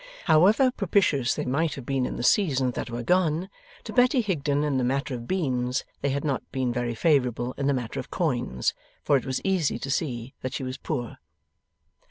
However propitious they might have been in the seasons that were gone, to Betty Higden in the matter of beans, they had not been very favourable in the matter of coins; for it was easy to see that she was poor.